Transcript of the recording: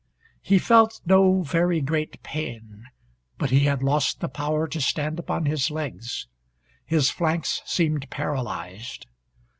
He felt no very great pain. But he had lost the power to stand upon his legs. His flanks seemed paralyzed.